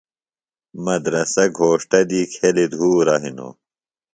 مدرسہ گھوݜٹہ دی کھیلیۡ دُھورہ ہِنوُ۔